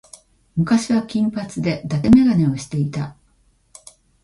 昔は金髪で伊達眼鏡をしていた。